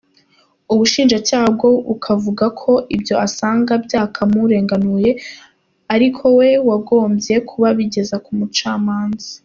Ubushinjacyaha bwo bukavuga ko ibyo asanga byakamurenganuye ari we wagombye kuba abigeza ku mucamanza.